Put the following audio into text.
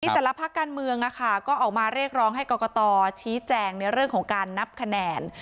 แต่ละภาคการเมืองก็ออกมาเรียกร้องให้กรกตชี้แจงในเรื่องของการนับคะแนน